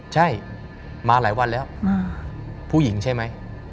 ใช่มาหลายวันแล้วผู้หญิงใช่ไหม